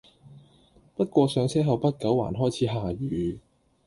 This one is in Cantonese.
不過上車後不久還開始下雨